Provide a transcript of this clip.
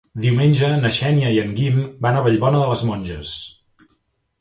Diumenge na Xènia i en Guim van a Vallbona de les Monges.